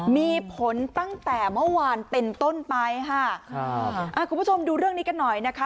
มีผลตั้งแต่เมื่อวานเป็นต้นไปค่ะครับอ่าคุณผู้ชมดูเรื่องนี้กันหน่อยนะคะ